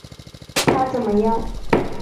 他怎么样？